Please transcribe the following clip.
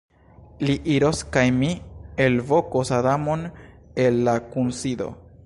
Li iros kaj mi elvokos Adamon el la kunsido.